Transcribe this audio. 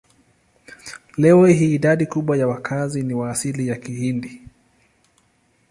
Leo hii idadi kubwa ya wakazi ni wa asili ya Kihindi.